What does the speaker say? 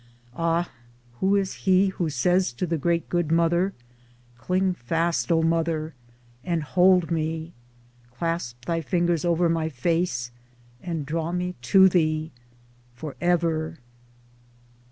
Ah ! who is he who says to the great good Mother : Cling fast, O Mother, and hold me ; clasp thy fingers over my face and draw me to thee for ever